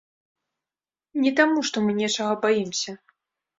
Не таму, што мы нечага баімся!